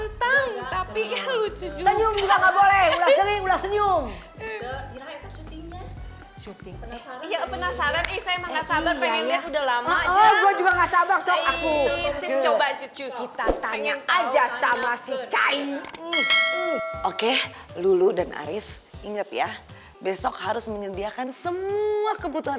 kita tanya aja sama si cahy oke lulu dan arief inget ya besok harus menyediakan semua kebutuhan